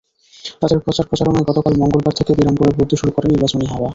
তাঁদের প্রচার-প্রচারণায় গতকাল মঙ্গলবার থেকে বিরামপুরে বইতে শুরু করে নির্বাচনী হাওয়া।